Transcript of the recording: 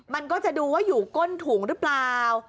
มันก็จะดูว่าอยู่ก้นถุงหรือเปล่า